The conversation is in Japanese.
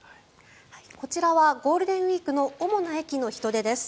こちらはゴールデンウィークの主な駅の人出です。